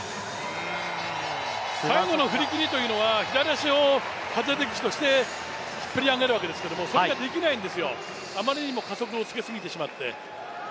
最後の振り切りというのは、左足を縦軸として引っ張り上げるんですけど、それができないんですよ、あまりにも加速をつけすぎてしまって。